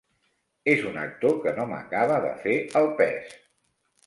És un actor que no m'acaba de fer el pes.